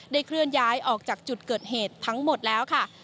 เคลื่อนย้ายออกจากจุดเกิดเหตุทั้งหมดแล้วค่ะ